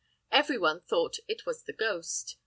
Every one thought it was the ghost.